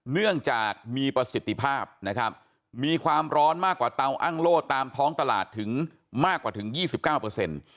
เนื่องจากมีประสิทธิภาพนะครับมีความร้อนมากกว่าเต้าอั้งโล่ตามท้องตลาดถึงมากกว่าถึง๒๙